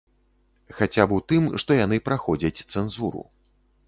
Хаця б у тым, што яны праходзяць цэнзуру.